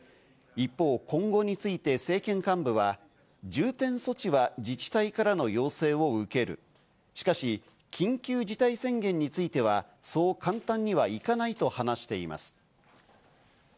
一方、今後について政権幹部は重点措置は自治体からの要請を受ける、しかし緊急事態宣言についてはそう簡単にはいかないと話しています。